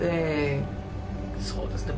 そうですね。